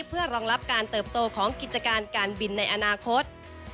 เพื่อรองรับการเติบโตของกิจการการบินในอนาคต